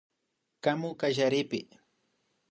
Kamu kallaripi